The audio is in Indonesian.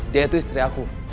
dia itu istri aku